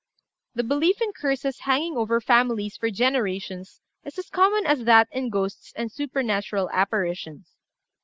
] The belief in curses hanging over families for generations is as common as that in ghosts and supernatural apparitions.